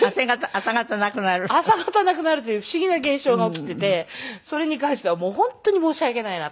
朝方なくなるという不思議な現象が起きていてそれに関してはもう本当に申し訳ないなと。